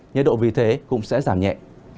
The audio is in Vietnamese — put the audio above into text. nhiệt độ vì thế cũng sẽ giảm nhẹ